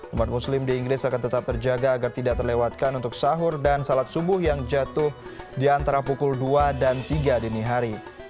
umat muslim di inggris akan tetap terjaga agar tidak terlewatkan untuk sahur dan salat subuh yang jatuh di antara pukul dua dan tiga dini hari